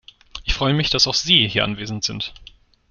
Ich freue mich, dass auch Sie hier anwesend sind.